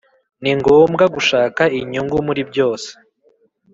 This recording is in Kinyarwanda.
«Ni ngombwa gushaka inyungu muri byose,